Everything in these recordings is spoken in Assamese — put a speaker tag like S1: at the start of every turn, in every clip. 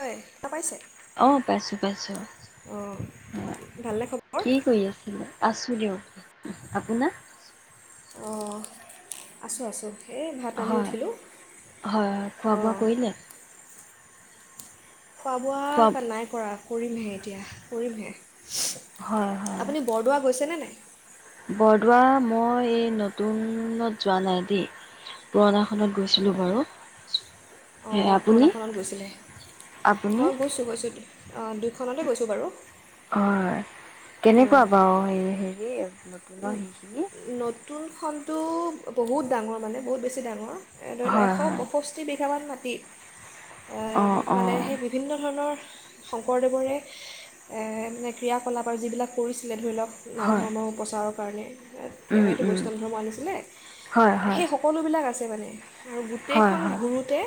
S1: হয় শুনা পাইছে
S2: অ পাইছো পাইছো
S1: অঁ
S2: আহ
S1: ভালনে খবৰ
S2: কি কৰি আছিলে আছো দিয়ক আপোনাৰ
S1: অঁ আছোঁ আছোঁ এই ভাত ৰান্ধি
S2: হয়
S1: উঠিলোঁ
S2: হয় খোৱা বোৱা
S1: অঁ
S2: কৰিলে
S1: খোৱা
S2: খোৱা
S1: বোৱা নাই কৰা কৰিমহে এতিয়া
S2: হয়
S1: কৰিমহে
S2: হয়
S1: আপুনি বৰদোৱা গৈছে নে নাই উ
S2: বৰদোৱা মই এই নতুনত যোৱা নাই দেই পুৰণাখনত গৈছিলোঁ বাৰু সেই
S1: অঁ
S2: আপুনি
S1: পুৰণাখনত গৈছিলে
S2: আপুনি
S1: মই গৈছোঁ গৈছোঁ দু খনতে গৈছোঁ বাৰু
S2: হয় কেনেকুৱা বাৰু হ হেৰি নতুনৰ সেইখিনি
S1: নতুনখন তো বহুত ডাঙৰ মানে বহুত বেছি ডাঙৰ ধৰি লওক
S2: হয়
S1: এশ
S2: হয়
S1: পষষ্ঠি বিঘামান মাটি
S2: অ অ
S1: মানে সেই বিভিন্ন ধৰণৰ শংকৰদেৱৰে মানে ক্ৰিয়াকলাপ আৰু যিবিলাক কৰিছিলে ধৰি লওক নাম
S2: হয়
S1: সমৰ্মৰ প্ৰচাৰৰ কাৰণে
S2: উম
S1: তেওঁৱো
S2: উম
S1: বৈষ্ণৱ ধৰ্ম আনিছিলে
S2: হয় হয়
S1: সেই সকলোবিলাক আছিল সবানে আৰু
S2: হয়
S1: গোটেইখন
S2: হয়
S1: ঘোৰোঁতে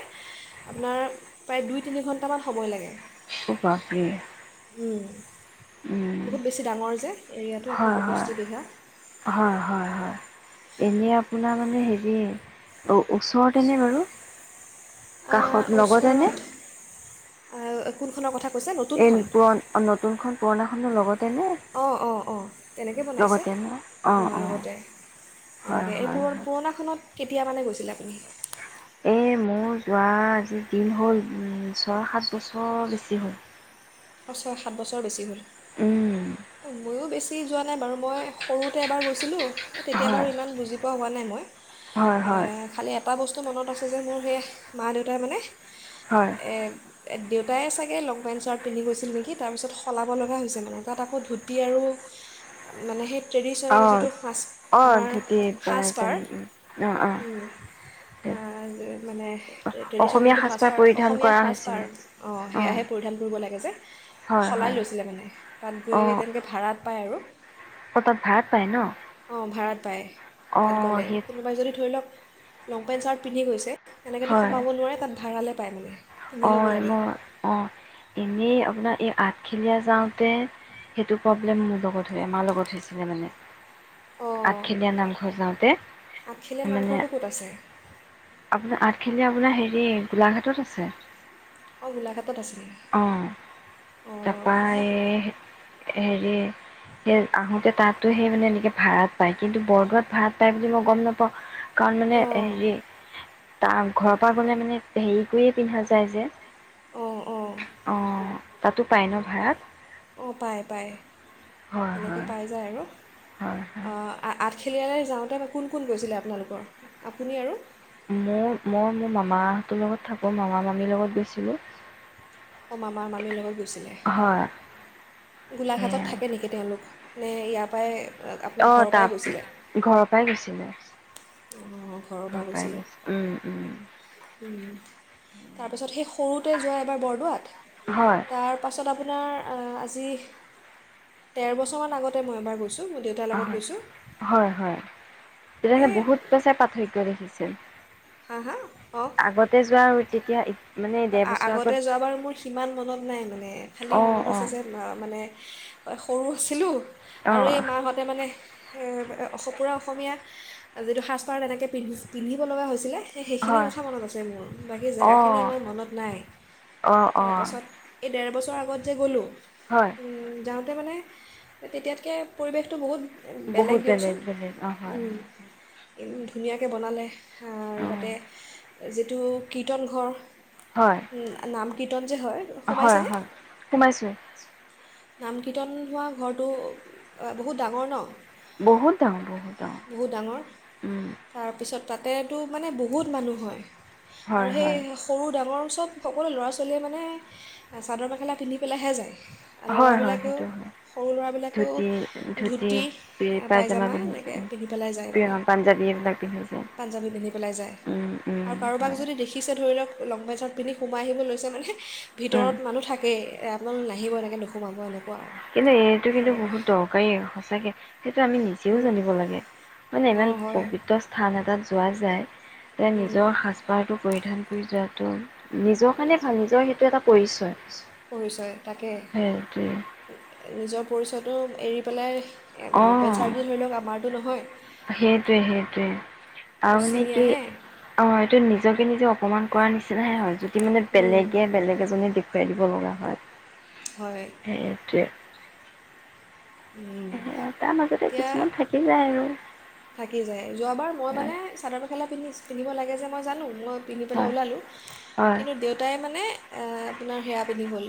S1: আপোনাৰ প্ৰায় দুই তিনি ঘণ্টামান সময় লাগে
S2: খুব প্ৰিয়
S1: উম বহুত বেছি ডাঙৰ যে এটো
S2: হয় হয় হয় হয় হয় এনে আপোনাৰ মানে হেৰি ওচৰতেনে বাৰু কাষত লগতেনে
S1: ওচৰত কোনখনৰ কথা কৈছে
S2: এই
S1: নতুনখন
S2: পুৰণ নতুনখন পুৰণা খৰ লগত
S1: অঁ অঁ অঁ তেনেকৈ বনাইছে
S2: লগতে ন অ
S1: অঁ
S2: অ
S1: লগতে
S2: হয়
S1: এনেকৈ এই
S2: হয়
S1: পুৰ
S2: হয়
S1: পুৰণাখনত কেতিয়া মানে গৈছিলে আপুনি
S2: এই মোৰ যোৱা আজিৰ দিন হ'ল ওম' ছয়, সাত বছৰ বেছি হ'ল।
S1: অ' ছয়, সাত বছৰ বেছি হ'ল।
S2: উম
S1: মইওঁ বেছি। [unintelligible] যোৱা নাই বাৰু মই সৰুতে এবাৰ গৈছিলোঁ তেতিয়া বাৰু
S2: হয়
S1: ইমান বুজি [unintelligible] হোৱা নাই মই।
S2: হয়
S1: এ
S2: হয়
S1: খালি এটা বস্তু [unintelligible] মনত আছে যে মোৰ সেই মা দেউতাই মানে
S2: হয়
S1: এ দেউতাই চাগে লং পেণ্ট চাৰ্ট পিন্ধি গৈছিল নেকি, তাৰপিছত সলাব লগা হৈছে মানে। তাত আকৌ ধূতি আৰু মানে সেই
S2: অ
S1: ট্ৰেডিশ্যনেল যিটো সাজ
S2: অ
S1: আমাৰ
S2: ধুতি
S1: সাজপাৰ,
S2: যাম অ অ
S1: উম্, আ মানে ট্ৰেডিচ্যনেল
S2: অসমীয়া
S1: যিটো সাজপাৰ,
S2: পৰিধান
S1: অসমীয়া
S2: কৰা
S1: সাজপাৰ
S2: হৈছিলে
S1: অঁ
S2: অ
S1: সেয়াহে পৰিধান কৰিব লাগে।
S2: হয়
S1: সলাই
S2: হয়
S1: লৈছিলে মানে, তাত
S2: অ
S1: গৈ তেনেকৈ ভাড়াত পায় আৰু,
S2: অ তাত ভাড়াত পায় ন
S1: অঁ ভাড়াত পায়
S2: অ
S1: তাত গ'লে
S2: সেই
S1: কোনোবাই যদি ধৰি লওক লং পেণ্ট চাৰ্ট পিন্ধি গৈছে। এনেকেতো
S2: হয়
S1: সোমাব নোৱাৰে, তাত ভাড়ালে পাই মেলি।
S2: অ'। মই অ'। এনেই আপোনাৰ- এই আঠখেলীয়া যাওঁতে সেইটো প্ৰব্লেম মোৰ লগত হয়, আমাৰ লগত হৈছিলে মানে।
S1: অঁ
S2: আঠখেলিয়া নামঘৰ যাওঁতে,
S1: আঠখেলীয়া
S2: মানে
S1: নামঘৰটো ক'ত আছে
S2: আপোনাৰ আঠ এনে আপোনাৰ হেৰি, গোলাঘাটত আছে।
S1: অঁ গোলাঘাটত আছে নেকি
S2: অ'।
S1: অঁ
S2: তাৰপৰা
S1: মই
S2: এই হেৰি সেই আহোতে তাতো সেই মানে এনেকে ভাড়াত পায়। কিন্তু বৰদোৱাত ভাড়াত পায় বুলি মই গম নাপাওঁ। কাৰণ মানে
S1: অঁ
S2: হেৰি- তাৰ ঘৰৰ পৰা গ'লে মানে হেৰি কৰিয়ে পিন্ধা [unintelligible] [unintelligible] যে-
S1: অঁ অঁ
S2: অ'। তাতো পায় ন ভাড়াত?
S1: অ' পায়, পায়
S2: হয়
S1: এনেক
S2: হয়
S1: পাই যায় আৰু।
S2: হয় হয়
S1: অ' আ আ আঠখেলীয়ালৈ যাওঁতে কোন কোন গৈছিলে আপোনালোকৰ? আপুনি আৰু?
S2: মোৰ মই মোৰ মামাহঁতৰ লগত থাকোঁ। মামা মামীৰ লগত গৈছিলোঁ।
S1: অ', মামা মামীৰ লগত গৈছিলে।
S2: হয়
S1: গোলাঘাটত
S2: সেয়া
S1: থাকে নেকি তেওঁলোক নে ইয় পায়
S2: অ তাপ ঘৰৰ পৰাই গৈছিলো
S1: অঁ ঘৰৰ পৰা গৈছিলে
S2: উম, উম।
S1: তাৰপাছত সেই সৰুতে যোৱা এবাৰ বৰদোৱাত
S2: হয়,
S1: তাৰপাছত আপোনাৰ আজি তেৰ বছৰমান আগতে মই এবাৰ গৈঁ ছো মোৰ দেউতাৰ লগত
S2: হয়,
S1: গৈছো
S2: তেতি বহুত পেচ পাঠ হয় কি কৰিখিছিল
S1: হাঁ হা অঁ
S2: তেতিয়া মানে ডেৰ বছৰ
S1: আগতে
S2: আগত
S1: যোৱা বাৰু মোৰ সিমান মনত নাই মানে খালী
S2: অ',
S1: মনত আছে
S2: অ',
S1: যে মানে সৰু আছিলোঁ আৰু এই
S2: অ',
S1: মাহঁতে মানে পুৰা অসমীয়া যিটো সাজপাৰ তেনেকৈ পিন্ধ পিন্ধিব লগা হৈছে ছিলে সেই সেইখিনি
S2: হয়।
S1: কথা মনত আছে মোৰ বাকী জেগাখিনি
S2: অ',
S1: ইমান মনত নাই
S2: অ', অ',
S1: তাৰপাছত এই ডেৰ বছৰ ওৰ আত যে গ'লোঁ
S2: হয়
S1: উম য মানে তেতিয়াতকৈ পৰিৱেশটো বহুত বেলেগ
S2: বহুত
S1: দিয়কচোন
S2: বলেগ বেলেগ অ হয়
S1: উম,
S2: হয়
S1: ইমান ধুনীয়াকৈ বনালে তাতে
S2: অ'
S1: যিটো কীৰ্তনঘৰ
S2: হয়,
S1: নাম কীৰ্তন যে হয়
S2: হয়,
S1: সোমাইছেনেে
S2: হয় সোমাইছোঁ
S1: নাম কীৰ্তন হোৱা ঘৰটো বহুত ডাঙৰ ন
S2: বহুত দ বহুতওঁ
S1: বহুত
S2: উ
S1: টো মানে বহুত মানুহ হয় আৰু
S2: হয়
S1: সেই
S2: হয়
S1: সৰু ডাঙৰ ওচৰত সকলো ল'ৰা ছোৱালীয়ে মানে চাদৰ মেখেলা পিন্ধি পেলাইহে যায়
S2: হয় হয়
S1: ল'ৰাবিলাকেও
S2: সেইটো হয়
S1: সৰু ল'ৰাবিলাকেও
S2: ধুতি
S1: ধুতি
S2: ধুতিৰি পজামা
S1: পায়জামা এনেকৈ পিন্ধি পেলাই যায়
S2: পিন্ধিছে
S1: মানে
S2: পাঞ্জাবী এইবিলাক পিন্ধিছে
S1: পাঞ্জাবী পিন্ধি পেলাই যায় আৰু কাৰোবাক
S2: হয়
S1: যদি দেখিছে ধৰি লওক ল পেট চাৰ্টি পিন্ধি সোমাই আহিব লৈ মানে
S2: উম
S1: ভিতৰত মানুহ থাকেই আপোনালোক নাহিব এনেকৈ নোহোমাব এনেকে
S2: কিন্তু এইটো কিন্তু বহুত দৰকাৰী সঁচাকে সেইটো আমি নিজে যিও জানিব লাগে মানে
S1: অঁ
S2: ইমান
S1: হয়
S2: পবিত্ৰ স্থান এটাত যোৱা যায় তেওঁ নিজৰ সাজপাৰটো পৰিধান কৰে পূজাটো নিজৰ কাৰণে ভাল নিজৰ সেইটো এটা পৰিচয়
S1: পৰিচয় তাকে
S2: সেইটোৱে
S1: নিজৰ পৰিচয়টো এৰি পেলাই ম'বাইল
S2: অঁ
S1: চাৰ্জজন ধৰি লওক আমাৰো নহয়
S2: সেইটোৱে সেইটোৱে আৰুানে কি
S1: পশ্চিমীয়াহে
S2: অ হয়তো নিজকে নিজে অকমান কৰা নিচিনাহে সহযোগ মানে বেলেগে বেলেগ এজনে দেখুৱাইছে। যাব লগা হয়
S1: হয়
S2: সেইতিয়া সেয়া তাৰ মাজতে
S1: এতিয়া
S2: কিছুমান থাকি যায় আৰু
S1: থাকি যায় যোৱাবাৰ মযই মানে চাদৰ মেখেলা পিন্ধিছোঁ পিন্ধিব লাগে যে মই জানো মই পিন্ধি পেলাই
S2: হয়
S1: ওলালোঁ
S2: হয়
S1: কিন্তু দেউতাই মানে আপোনাৰ হেয়া পিন্ধি গ'ল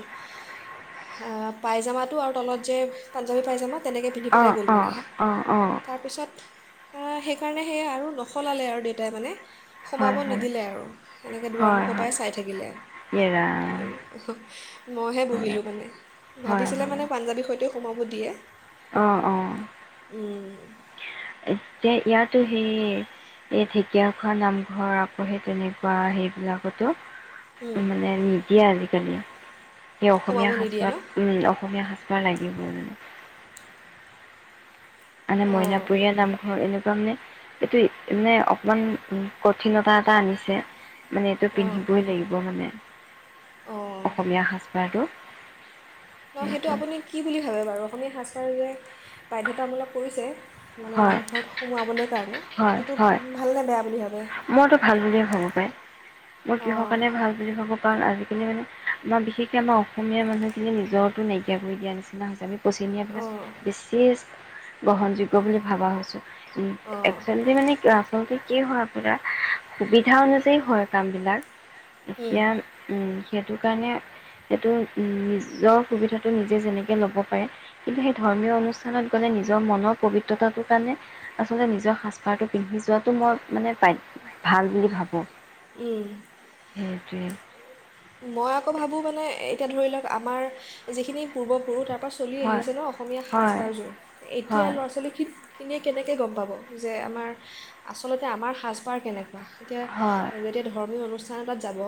S1: পাইজামাটো আৰু তলত যে পাজ্ঞাবি পাইজামা তেনেকৈ পিন্ধি
S2: অ
S1: পেলাই গ'ল
S2: অ
S1: মানে
S2: অ অ
S1: তাৰপিছত আহ সেইকাৰণে সেই আৰু নসলালে আৰু দেউতাই মানে সোমাব
S2: হয় হয়
S1: নিদিলে আৰু সেনেকৈ
S2: হয়
S1: দুৱাৰমুখৰ
S2: হয়
S1: পৰাই চাই থাকিলে ই
S2: ইয়ে ৰাম
S1: উ মইহে
S2: হয়
S1: বহিলোঁ মানে
S2: হয়
S1: ভাবিছিলে মানে পাঞ্জাৱী সৈতেও ক'ব দিয়ে।
S2: অঁ অঁ এতিয়া ইয়াতো সেই এই ঢেকীয়াখোৱা নামঘৰ আপহে তেনেকুৱা সেইবিলাকতো মানে নিজিয়ে আজ তেনে সেই
S1: সোমাব
S2: অসমীয়া
S1: নিদিয়ে ন
S2: সাজপাৰ অসমীয়া সাজপাৰ লাগিব মান মান
S1: অঁ
S2: মইনাাপুৰীয়া নামঘৰ এনেকুৱা তে এইটো মে অকমান উ কঠিনতা এটা আনিছে মানে এইটো
S1: অঁ
S2: পিন্ধিবই লাগিব মানে অসমীয়া সাজপাৰটো
S1: ত সেইটো
S2: সেইটোৱে।
S1: আপুনি কি বুলি ভাবে বাৰু অসমীয়া সাজপাৰ যে বাধ্যতামূলক কৰিছে মানে
S2: হয়
S1: নামঘৰত সোমোৱাবলৈ কাৰণে
S2: হয়
S1: সেইটো
S2: হয়
S1: ভালনেে বেয়া বুলি ভাবে।
S2: মইতো ভাল বুলিয়ে ভাবো পাই মই কিৰহ
S1: অঁ
S2: কাৰণে ভাল বুলি ভাবো কাৰণ আমাৰ বিশেষকৈ আমাৰ অসমীয়া মানুহখিনি নিজৰতো নাইকিয়া কৰি দিয়া নিচিনা হৈছে আমি পশ্চিমীয়া বিলাক
S1: অঁ
S2: বেছিয়ে গ্ৰহণযোগ্য বুলি ভাবা হৈছোঁ একচুৱেলি মানে আচলতে কি হয় সুবিধা অনুযায়ী হয় কামবিলাক। এতিয়া‌ উম সেইটো কাৰণে সেইটো নিজৰ সুবিধাটো নিজে যেনেকৈ ল'ব পাৰে কিন্তু সেই ধৰ্মীয় অনুষ্ঠানত গ'লে নিজৰ মনৰ পবিত্ৰতাটোৰ কাৰণে আচলতে নিজৰ সাজপাৰটো পিন্ধি যোৱাটো মই মানে ভাল বুলি ভাবোঁ।
S1: উম
S2: [unintelligible]
S1: মই আকৌ ভাবো মানে এতিয়া ধৰি লওক আমাৰ যিখিনি পূৰ্বপুৰুষ তাৰ তাৰপৰা চলি
S2: হয়
S1: আহিছে ন অসমীয়া সাজ
S2: হয়
S1: পাৰযোৰ এতিয়া
S2: হয়
S1: ল'ৰা ছোৱালীখিনি ইনে কেনেকৈ গম পাব যে আমাৰ আচলতে আমাৰ সাজপাৰ কেনেকৈ এতিয়া
S2: হয়
S1: যেতিয়া ধৰ্মীয় অনুষ্ঠান তাত যাব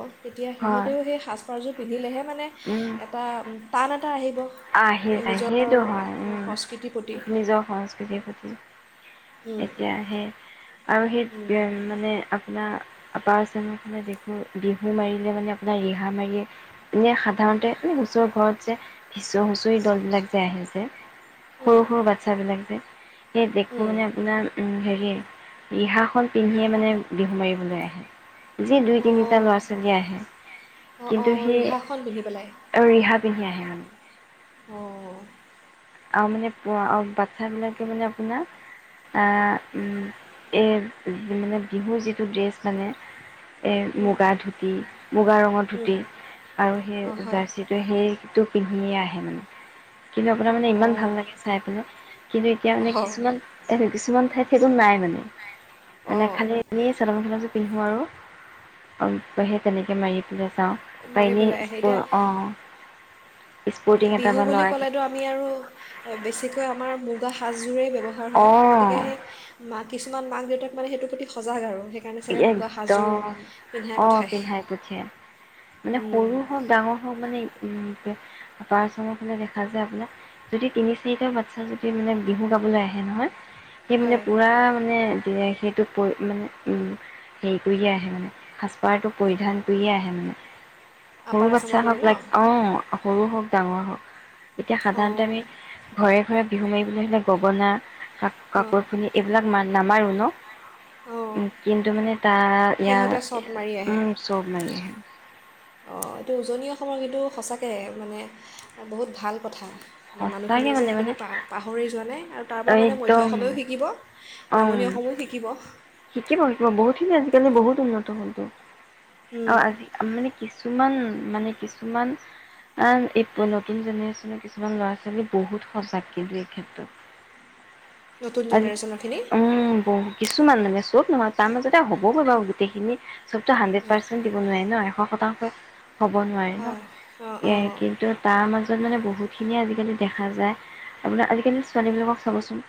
S2: হয়
S1: সিহঁতেও সেই সাজপাৰযোৰ পন্ধিলহে মানে
S2: উম
S1: এটা টান এটা আহিব
S2: আহি যায়
S1: নিজৰ
S2: সেইটো হয় উম
S1: সংস্কৃতিৰ প্ৰতি
S2: নিজৰ সংস্কৃতিৰ প্ৰতি।
S1: উম,
S2: এতিয়া সে
S1: উম,
S2: এতিয়া মানে আপোনাৰ আপাৰ আসাম ফালে দেখো বিহু মাৰিলে মানে আপোনাৰ ৰিহা মাৰিয়ে এনেই সাধাৰণতে এ ওচৰৰ ঘৰত যে হিঁচু হুঁচৰি দলবিলাক যে আহিছে সৰু
S1: উম,
S2: সৰু বাচ্ছ বিলাক যে সেই দেখো
S1: উম।
S2: মানে আপোনাৰ উম হেৰি দিয়ে ৰিহা খন পিন্ধিয়ে মানে বিহু মাৰিবলৈ আহে যি দুই তিনিটা
S1: অঁ
S2: ল'ৰা ছোৱালী আহে
S1: অঁ
S2: কিন্তু
S1: অঁ
S2: সেই
S1: ৰিহাখন পিন্ধি পেলাই
S2: ৰিহাত পিন্ধি আহে মানে
S1: অ।
S2: আৰু মানে বাচ্ছাবিলাকে মানে আপোনাৰ এই মানে বিহুৰ যিটো ড্ৰেছ মানে। এই
S1: উম,
S2: মুগা ধুতি মুগা ৰঙৰ
S1: উম।
S2: ধুতি আৰু সেই
S1: অ', হয়।
S2: জাৰ্চিটো সেইটো পিন্ধিয়ে আহে মানে কিন্তু মানে ইমান
S1: অ',
S2: ভাল লাগে চাই পেলাই কিন্তু এতিয়া মানে
S1: অ',
S2: কিছুমান কিছুমান ঠাইত সেইটো নাই মানে মানে
S1: অ',
S2: খালি এনোদ পিন্ধোঁ আৰু সেই তেনেকৈ মাৰি পেলাই আছে অ তই এনেই
S1: মাৰিবলৈ আহে
S2: স্কুল
S1: এতিয়া
S2: অ
S1: বিহু বুলি ক'লেতো আমি আৰু বেছিকৈ আমাৰ মুগা সাজযোৰে ব্যৱহাৰ হয় গতিকে
S2: অঁ
S1: সেই মাত কিছুমান মাক দেউতাক মানে সেইটো প্ৰতি সজাগ আৰু সেইকাৰণে চাগে
S2: একদম
S1: মুগা সাজযোৰ পিন্ধাই
S2: অ
S1: পঠায়
S2: পিন্ধাই পঠিয়াই মানে
S1: উম,
S2: সৰু হওক ডাঙৰ হওক মানে উম পাৰ চম ফে দেখা যায় আপোনাক যদি তিনি চাৰিটা বাচ্ছা যদি মানে বিহু গাবলৈ আহে নহয় সেই মানে
S1: হয়
S2: পুৰা মানে সেইটো পৰি মানে হেৰি কৰিয়ে আহে মানে সাজপাৰটো পৰিধান কৰিয়ে আহে মানে
S1: আপাৰ
S2: সৰু
S1: আচামৰ
S2: বাচ্ছা
S1: পিনে
S2: হওক
S1: ন'
S2: লাইক অ সৰু হওক ডাঙৰ হওক এতিয়া সাধাৰণতে আমি ঘৰে ঘৰে বিহু মাৰিবলৈ হ'লে গগনা
S1: অ',
S2: কাকোৰ খি এইবিলাক মানু নামাৰো ন
S1: অ',
S2: কিন্তু মানে তাৰ
S1: সিহঁতে চব মাৰি আহে
S2: ইয়াৰ চব লাৰি আহে
S1: অঁ এইটো উজনি অসমৰ কিন্তু সঁচাকৈ মানে বহুত ভাল কথা
S2: সঁচাকে
S1: মানুহখিনিয়ে যে
S2: মানে মানে
S1: সেইখিনি প পাহৰি যোৱা নাই আৰু তাৰ পৰা মানে
S2: একদম
S1: মধ্য
S2: মানে
S1: অসমেও শিকিব
S2: অম
S1: নামনি অসমো শিকিব
S2: শিকিব শিকিব বহুতখিনি আজিকালি বহুত উন্নত হলত অ
S1: উম,
S2: আজি মানে কিছুমান মানে কিছুমান এই নতুন জেনেৰে্যনৰ কিছুমান ল'ৰা ছোৱালী বহুত সজাগ কিন্তু এই ক্ষেত্ৰত
S1: নতুন
S2: আজ
S1: জেনেৰেশ্যনৰখিনি
S2: উম বহ কিছুমান নানে চব নহয় তাৰ মাজতে হ'বগৈ বাৰু গোটেইখিনি চবটো হানড্ৰেট
S1: অঁ
S2: পাৰ্চেন দিব নোৱাৰে ন এশ পতক হ'ব নোৱি ন
S1: হয় অঁ
S2: এ
S1: অঁ
S2: কিন্তু তাৰ মাজত মানে বহুত বহুতখিনিয়ে আজিকালি দেখা যায় আৰুপাক আজিকালি ছোৱালীবিলাকক চাবচোন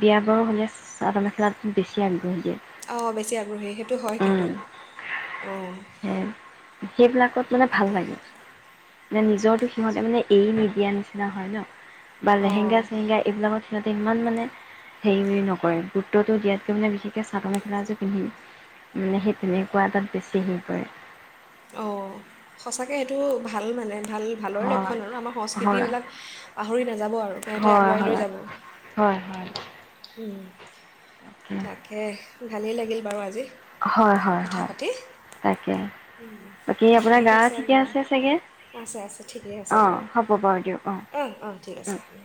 S2: বিয়া বাৰু হ'লে চাদদৰ মেখেলাত বেছি আগ্ৰহ দিয়ে
S1: অঁ বেছি আগ্ৰহী সেইটো হয়
S2: উম
S1: কিন্তু অঁ
S2: হে সেইবিলাকত মানে ভাল
S1: তাকে
S2: লাগে মে নিজৰটো সিহঁতে মানে এৰি নিদিয়া নিচিনা হয় ন বা
S1: অঁ
S2: লেহেংগা চেহেংগা এইবিলাক সিহঁত ইমান মানে হেৰি নকৰে গুৰুত্বতটো দিয়াতকে মানে বিশেষকে। চাদৰ মেখেলাযোৰ পিন্ধি মানে সেই তেনেকুৱা তাত বেছি হেৰি কৰে।
S1: সঁচাকে সেইটো ভাল মানে। ভাল ভালৰে লক্ষণ
S2: হয়
S1: আৰু আমাৰ
S2: হয়
S1: সংস্কৃতিবিলাক পাহৰি নাযাব আৰু সিহঁতে
S2: হয়
S1: আগুৱাই লৈ যাব।
S2: হয় হয় হয়
S1: উম। তাকে। ভালেই লাগিল বাৰু আজি।
S2: হয় হয়
S1: কথা
S2: হয়
S1: পাতি
S2: তাকে বাকী আপোনাৰ
S1: ঠিক
S2: গা ঠিকে
S1: বাৰু
S2: আছে চাগে
S1: আছে আছে ঠিকেই আছে
S2: অ
S1: বাৰু
S2: হ'ব বাৰু দিয়ক অ
S1: অঁ অঁ ঠিক
S2: উম।
S1: আছে